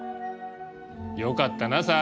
よかったな澤部。